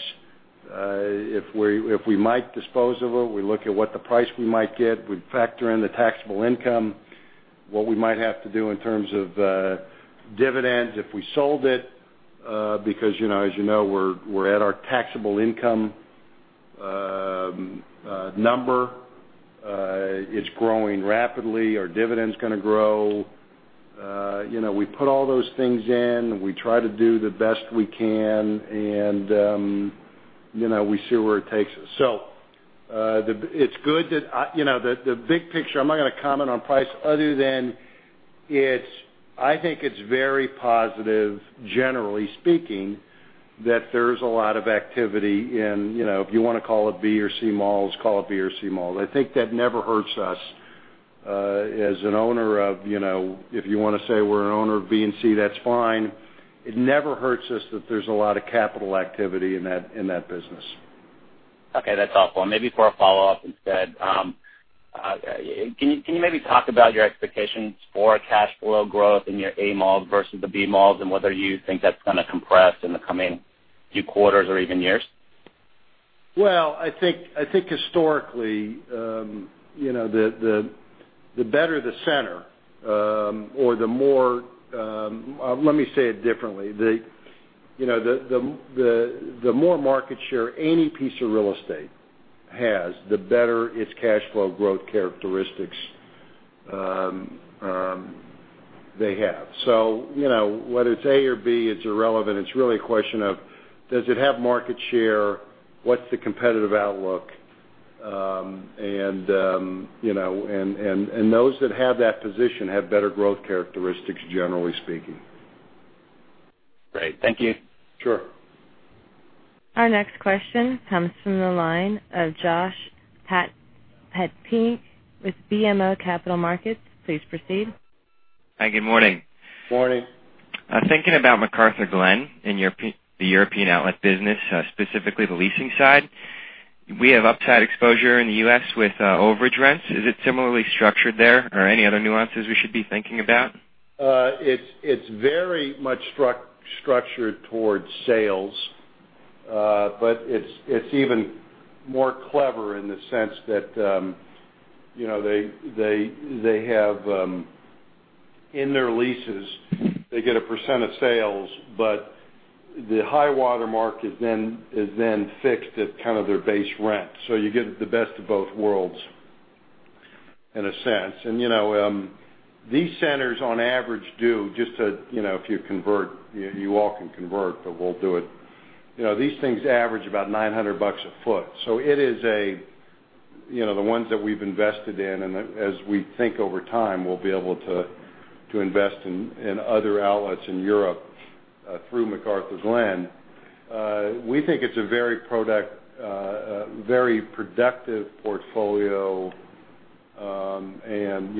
If we might dispose of it, we look at what the price we might get. We factor in the taxable income, what we might have to do in terms of dividends if we sold it, because as you know, we're at our taxable income number, it's growing rapidly. Our dividend's going to grow. We put all those things in. We try to do the best we can. We see where it takes us. It's good that the big picture, I'm not going to comment on price other than, I think it's very positive, generally speaking, that there's a lot of activity in, if you want to call it B or C malls. I think that never hurts us as an owner of, if you want to say we're an owner of B and C, that's fine. It never hurts us that there's a lot of capital activity in that business. Okay, that's helpful. Maybe for a follow-up instead, can you maybe talk about your expectations for cash flow growth in your A malls versus the B malls, and whether you think that's going to compress in the coming few quarters or even years? I think historically, the better the center, or let me say it differently. The more market share any piece of real estate has, the better its cash flow growth characteristics they have. Whether it's A or B, it's irrelevant. It's really a question of, does it have market share? What's the competitive outlook? Those that have that position have better growth characteristics, generally speaking. Great. Thank you. Sure. Our next question comes from the line of Josh Petry with BMO Capital Markets. Please proceed. Hi, good morning. Morning. Thinking about McArthurGlen Group and the European outlet business, specifically the leasing side, we have upside exposure in the U.S. with overage rents. Is it similarly structured there, or any other nuances we should be thinking about? It's very much structured towards sales. It's even more clever in the sense that they have in their leases, they get a percent of sales, but the high water mark is then fixed at kind of their base rent. You get the best of both worlds, in a sense. These centers on average do, just if you convert, you all can convert, but we'll do it. These things average about $900 a foot. The ones that we've invested in, and as we think over time, we'll be able to invest in other outlets in Europe, through McArthurGlen Group. We think it's a very productive portfolio, and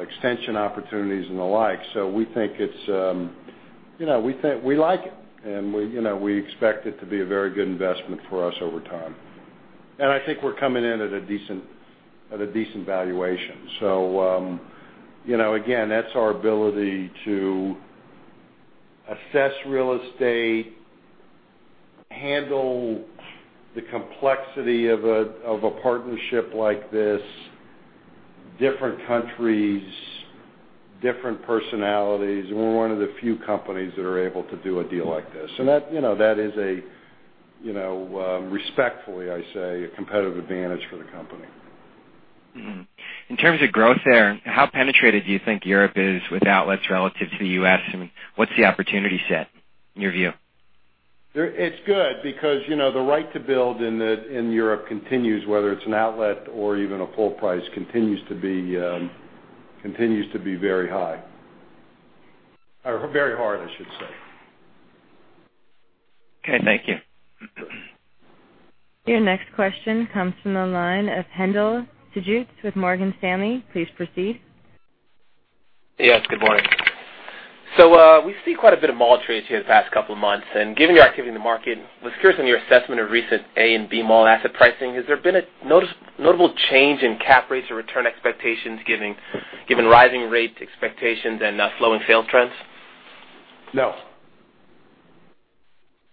extension opportunities and the like. We like it. We expect it to be a very good investment for us over time. I think we're coming in at a decent valuation. Again, that's our ability to assess real estate, handle the complexity of a partnership like this, different countries, different personalities, and we're one of the few companies that are able to do a deal like this. That is a, respectfully, I say, a competitive advantage for the company. In terms of growth there, how penetrated do you think Europe is with outlets relative to the U.S., and what's the opportunity set in your view? It's good because the right to build in Europe continues, whether it's an outlet or even a full price, continues to be very high. Or very hard, I should say. Okay, thank you. Your next question comes from the line of Hendel Stu with Morgan Stanley. Please proceed. Yes, good morning. We see quite a bit of mall trades here the past couple of months, and given your activity in the market, was curious on your assessment of recent A and B mall asset pricing. Has there been a notable change in cap rates or return expectations, given rising rate expectations and slowing sales trends? No.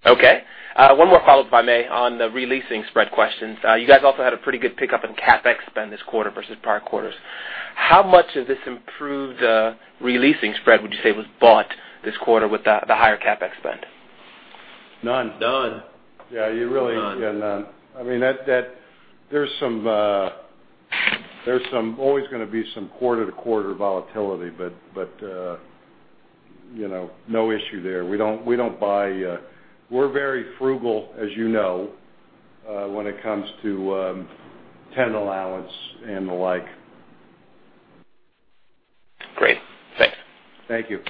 Okay. One more follow-up, if I may, on the re-leasing spread questions. You guys also had a pretty good pickup in CapEx spend this quarter versus prior quarters. How much of this improved re-leasing spread would you say was bought this quarter with the higher CapEx spend? None. None. Yeah. None. Yeah, none. There's always going to be some quarter-to-quarter volatility, but no issue there. We're very frugal, as you know, when it comes to tenant allowance and the like. Great. Thanks. Thank you.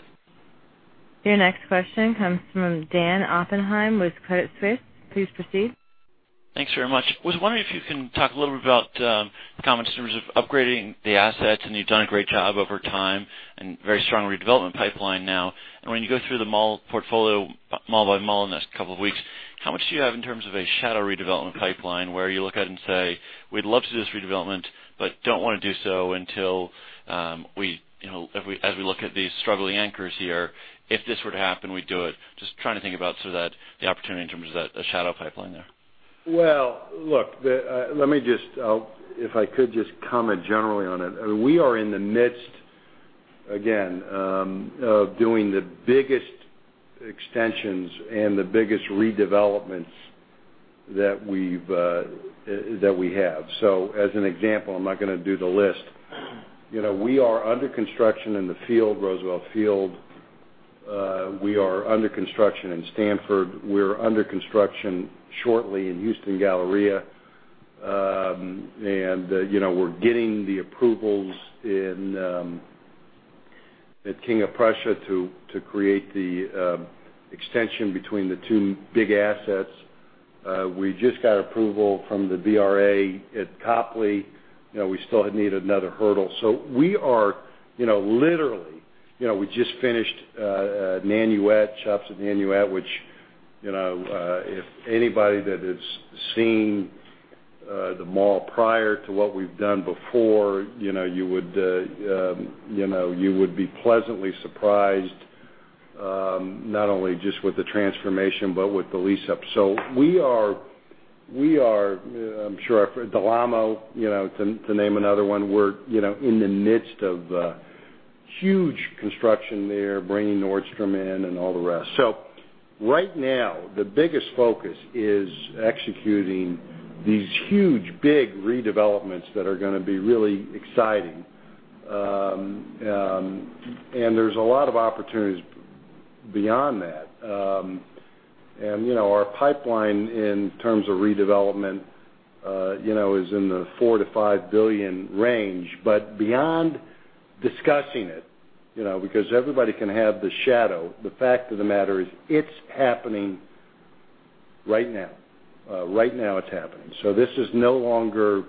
Your next question comes from Dan Oppenheim with Credit Suisse. Please proceed. Thanks very much. Was wondering if you can talk a little bit about comments in terms of upgrading the assets, and you've done a great job over time and very strong redevelopment pipeline now. When you go through the mall portfolio, mall by mall in the next couple of weeks, how much do you have in terms of a shadow redevelopment pipeline where you look at it and say, "We'd love to do this redevelopment, but don't want to do so until, as we look at these struggling anchors here, if this were to happen, we'd do it." Just trying to think about sort of the opportunity in terms of that shadow pipeline there. Well, look, if I could just comment generally on it. We are in the midst Again, of doing the biggest extensions and the biggest redevelopments that we have. As an example, I'm not going to do the list. We are under construction in the Roosevelt Field. We are under construction in Stamford. We're under construction shortly in Houston Galleria. We're getting the approvals at King of Prussia to create the extension between the two big assets. We just got approval from the BRA at Copley. We still need another hurdle. We are, literally, we just finished Nanuet, Shops at Nanuet, which, if anybody that has seen the mall prior to what we've done before, you would be pleasantly surprised, not only just with the transformation, but with the lease-up. We are, I'm sure, Del Amo, to name another one. We're in the midst of huge construction there, bringing Nordstrom in and all the rest. Right now, the biggest focus is executing these huge, big redevelopments that are going to be really exciting. There's a lot of opportunities beyond that. Our pipeline in terms of redevelopment, is in the $4 billion-$5 billion range. Beyond discussing it, because everybody can have the shadow, the fact of the matter is it's happening right now. Right now it's happening. This is no longer,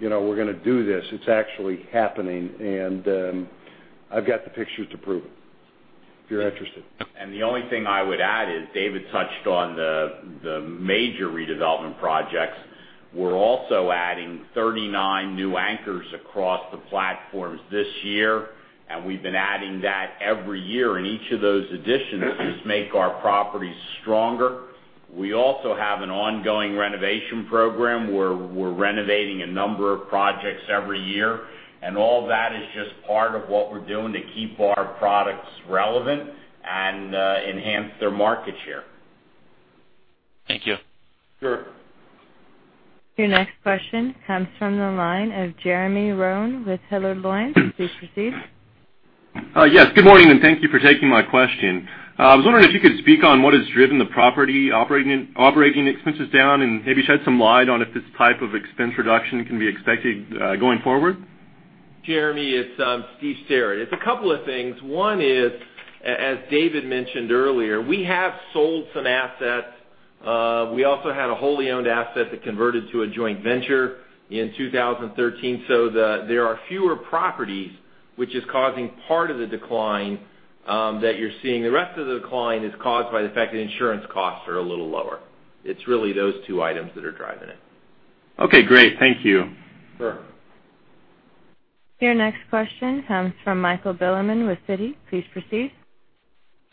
we're going to do this. It's actually happening, and I've got the pictures to prove it, if you're interested. The only thing I would add is, David touched on the major redevelopment projects. We're also adding 39 new anchors across the platforms this year, and we've been adding that every year, and each of those additions just make our properties stronger. We also have an ongoing renovation program where we're renovating a number of projects every year, and all that is just part of what we're doing to keep our products relevant and enhance their market share. Thank you. Sure. Your next question comes from the line of Jeremy Roane with Hilliard Lyons. Please proceed. Yes, good morning, and thank you for taking my question. I was wondering if you could speak on what has driven the property operating expenses down, and maybe shed some light on if this type of expense reduction can be expected going forward. Jeremy, it's Steve Sterrett. It's a couple of things. One is, as David mentioned earlier, we have sold some assets. We also had a wholly owned asset that converted to a joint venture in 2013. There are fewer properties, which is causing part of the decline that you're seeing. The rest of the decline is caused by the fact that insurance costs are a little lower. It's really those two items that are driving it. Okay, great. Thank you. Sure. Your next question comes from Michael Bilerman with Citi. Please proceed.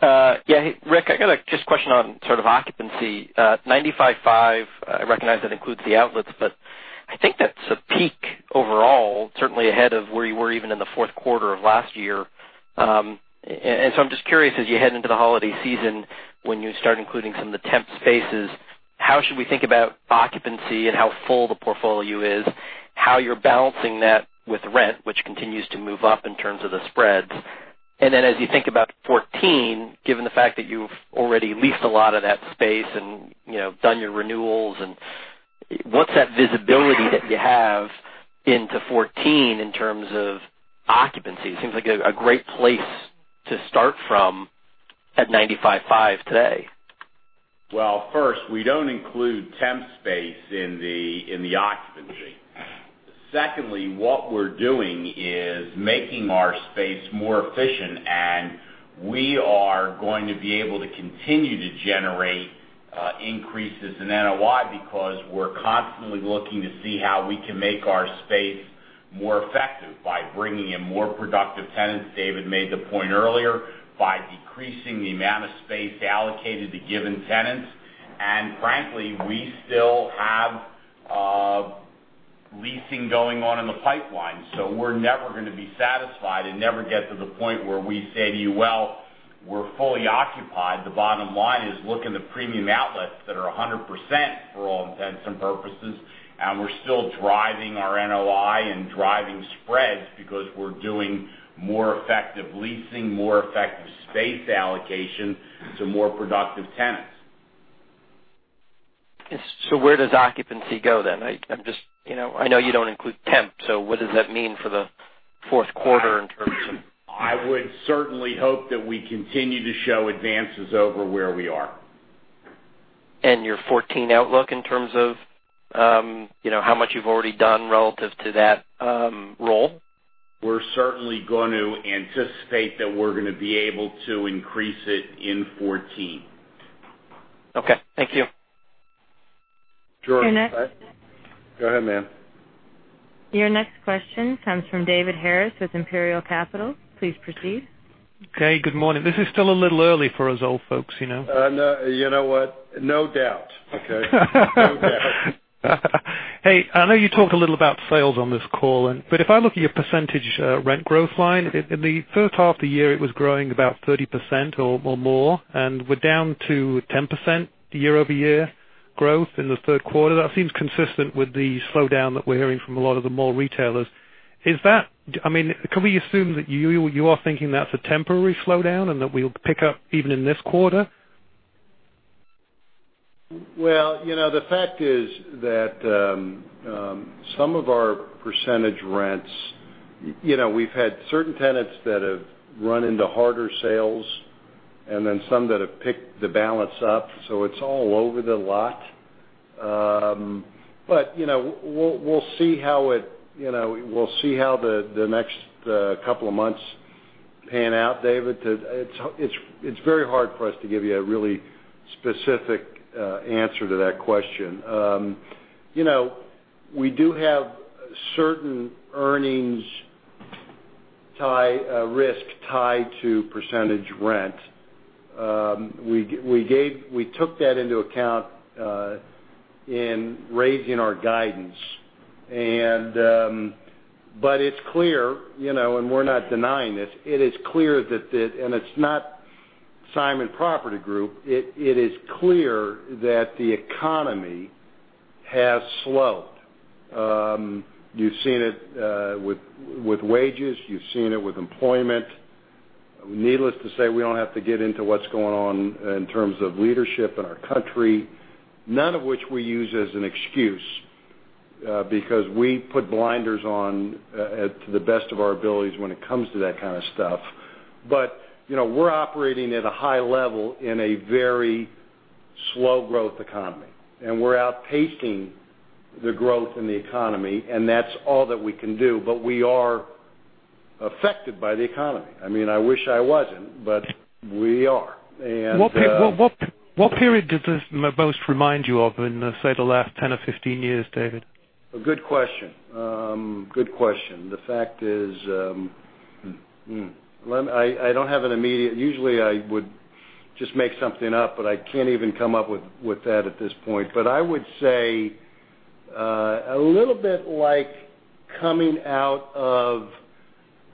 Hey, Rick, I got a just question on sort of occupancy. 95.5, I recognize that includes the outlets, but I think that's a peak overall, certainly ahead of where you were even in the fourth quarter of last year. I'm just curious, as you head into the holiday season, when you start including some of the temp spaces, how should we think about occupancy and how full the portfolio is, how you're balancing that with rent, which continues to move up in terms of the spreads? As you think about 2014, given the fact that you've already leased a lot of that space and done your renewals, what's that visibility that you have into 2014 in terms of occupancy? It seems like a great place to start from at 95.5 today. Well, first, we don't include temp space in the occupancy. Secondly, what we're doing is making our space more efficient, we are going to be able to continue to generate increases in NOI because we're constantly looking to see how we can make our space more effective by bringing in more productive tenants, David made the point earlier, by decreasing the amount of space allocated to given tenants. Frankly, we still have leasing going on in the pipeline. We're never going to be satisfied and never get to the point where we say to you, "Well, we're fully occupied." The bottom line is look in the premium outlets that are 100% for all intents and purposes, we're still driving our NOI and driving spreads because we're doing more effective leasing, more effective space allocation to more productive tenants. Where does occupancy go then? I know you don't include temp, what does that mean for the fourth quarter in terms of I would certainly hope that we continue to show advances over where we are. Your 2014 outlook in terms of how much you've already done relative to that role? We're certainly going to anticipate that we're going to be able to increase it in 2014. Okay. Thank you. George. Your next- Go ahead, ma'am. Your next question comes from David Harris with Imperial Capital. Please proceed. Okay, good morning. This is still a little early for us old folks. You know what? No doubt, okay? No doubt. I know you talked a little about sales on this call, if I look at your percentage rent growth line, in the first half of the year it was growing about 30% or more, and we're down to 10% year-over-year growth in the third quarter. That seems consistent with the slowdown that we're hearing from a lot of the mall retailers. Can we assume that you are thinking that's a temporary slowdown and that we'll pick up even in this quarter? The fact is that some of our percentage rents, we've had certain tenants that have run into harder sales and then some that have picked the balance up, it's all over the lot. We'll see how the next couple of months pan out, David. It's very hard for us to give you a really specific answer to that question. We do have certain earnings risk tied to percentage rent. We took that into account in raising our guidance. It's clear, and we're not denying this, and it's not Simon Property Group, it is clear that the economy has slowed. You've seen it with wages, you've seen it with employment. Needless to say, we don't have to get into what's going on in terms of leadership in our country, none of which we use as an excuse, because we put blinders on to the best of our abilities when it comes to that kind of stuff. We're operating at a high level in a very slow-growth economy. We're outpacing the growth in the economy, that's all that we can do. We are affected by the economy. I wish I wasn't, but we are. What period does this most remind you of in, say, the last 10 or 15 years, David? A good question. Good question. The fact is, I don't have an immediate-- usually I would just make something up, but I can't even come up with that at this point. I would say a little bit like coming out of,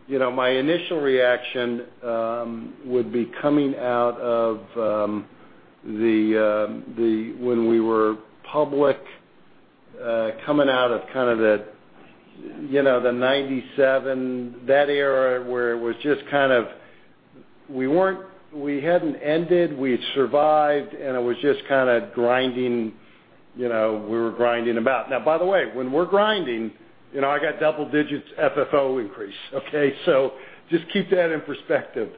my initial reaction would be coming out of when we were public, coming out of kind of the '97, that era where it was just kind of we hadn't ended, we had survived, and it was just kind of grinding. We were grinding about. By the way, when we're grinding, I got double digits FFO increase, okay? Just keep that in perspective.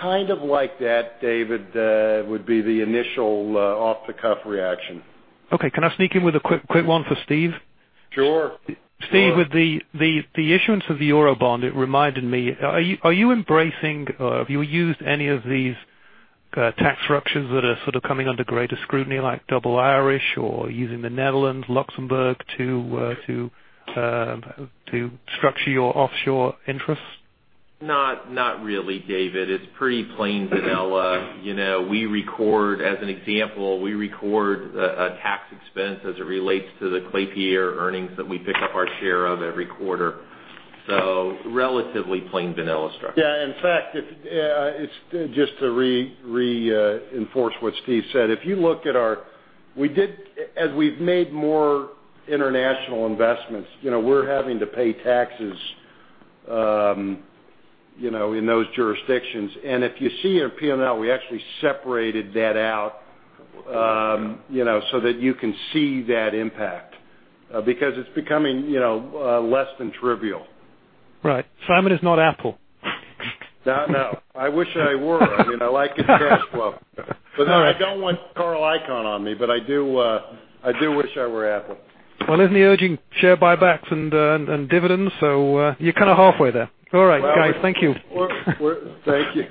Kind of like that, David, would be the initial off-the-cuff reaction. Okay, can I sneak in with a quick one for Steve? Sure. Steve, with the issuance of the euro bond, it reminded me, are you embracing or have you used any of these tax structures that are sort of coming under greater scrutiny, like double Irish or using the Netherlands, Luxembourg to structure your offshore interests? Not really, David. It's pretty plain vanilla. As an example, we record a tax expense as it relates to the Klépierre earnings that we pick up our share of every quarter. Relatively plain vanilla structure. Yeah. In fact, just to reinforce what Steve said, as we've made more international investments, we're having to pay taxes in those jurisdictions. If you see in our P&L, we actually separated that out so that you can see that impact. It's becoming less than trivial. Right. Simon is not Apple. No. I wish I were. I like his cash flow. No, I don't want Carl Icahn on me, but I do wish I were Apple. Well, isn't he urging share buybacks and dividends? You're kind of halfway there. All right, guys. Thank you. Thank you.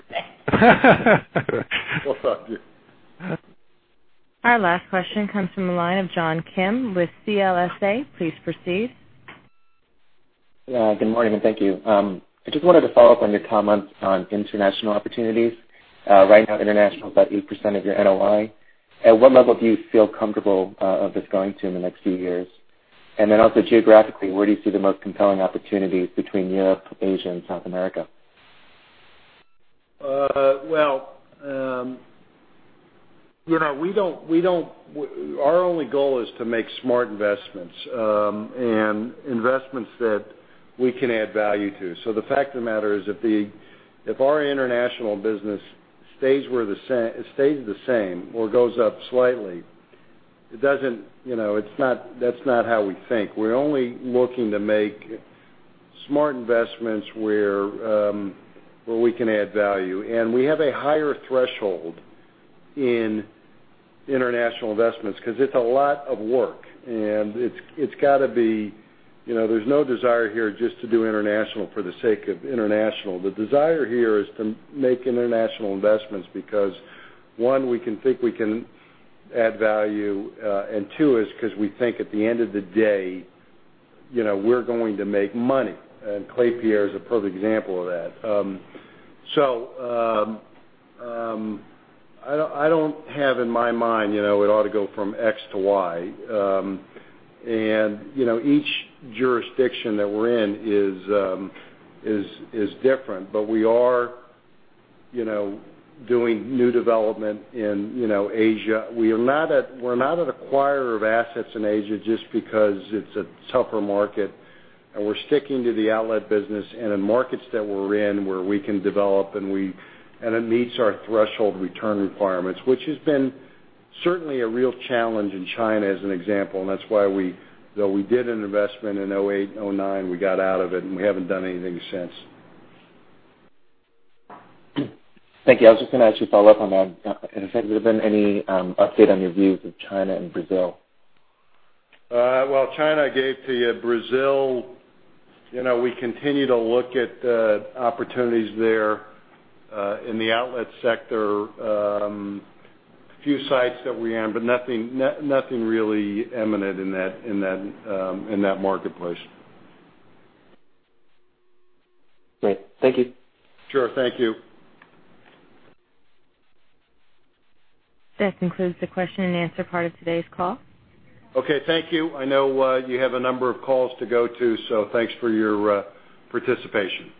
We'll talk to you. Our last question comes from the line of John Kim with CLSA. Please proceed. Yeah, good morning, thank you. I just wanted to follow up on your comments on international opportunities. Right now, international is about 8% of your NOI. At what level do you feel comfortable of this going to in the next few years? Also geographically, where do you see the most compelling opportunities between Europe, Asia, and South America? Well, our only goal is to make smart investments and investments that we can add value to. The fact of the matter is if our international business stays the same or goes up slightly, that's not how we think. We're only looking to make smart investments where we can add value. We have a higher threshold in international investments because it's a lot of work, and there's no desire here just to do international for the sake of international. The desire here is to make international investments because, one, we can think we can add value, and two is because we think at the end of the day, we're going to make money, and Klépierre is a perfect example of that. I don't have in my mind it ought to go from X to Y. Each jurisdiction that we're in is different. We are doing new development in Asia. We're not an acquirer of assets in Asia just because it's a tougher market. We're sticking to the outlet business and in markets that we're in where we can develop and it meets our threshold return requirements, which has been certainly a real challenge in China, as an example. That's why though we did an investment in 2008, 2009, we got out of it and we haven't done anything since. Thank you. I was just going to ask you follow up on that. Has there been any update on your views of China and Brazil? Well, China, I gave to you. Brazil, we continue to look at opportunities there in the outlet sector. A few sites that we're in. Nothing really imminent in that marketplace. Great. Thank you. Sure. Thank you. This concludes the question and answer part of today's call. Okay, thank you. I know you have a number of calls to go to, so thanks for your participation.